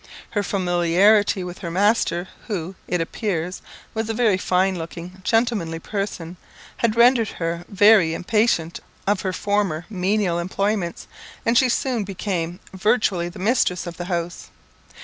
Her familiarity with her master, who, it appears, was a very fine looking, gentlemanly person, had rendered her very impatient of her former menial employments, and she soon became virtually the mistress of the house.